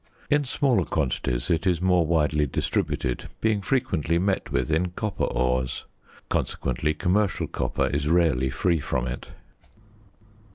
In smaller quantities it is more widely distributed, being frequently met with in copper ores; consequently, commercial copper is rarely free from it.